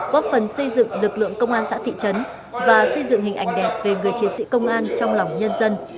góp phần xây dựng lực lượng công an xã thị trấn và xây dựng hình ảnh đẹp về người chiến sĩ công an trong lòng nhân dân